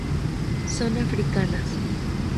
Son africanas.